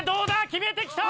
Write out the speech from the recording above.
決めてきた！